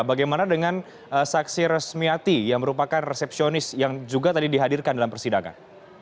bagaimana dengan saksi resmiati yang merupakan resepsionis yang juga tadi dihadirkan dalam persidangan